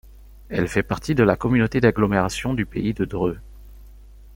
Elle fait partie de la communauté d'agglomération du Pays de Dreux.